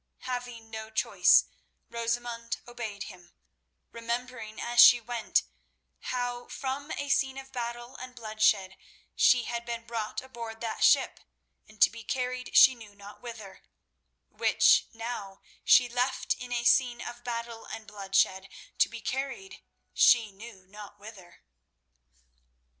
Having no choice, Rosamund obeyed him, remembering as she went how from a scene of battle and bloodshed she had been brought aboard that ship to be carried she knew not whither, which now she left in a scene of battle and bloodshed to be carried she knew not whither.